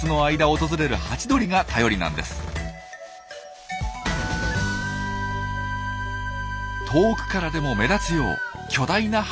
遠くからでも目立つよう巨大な花の塔を伸ばす。